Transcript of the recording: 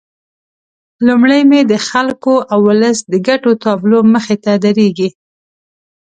لومړی مې د خلکو او ولس د ګټو تابلو مخې ته درېږي.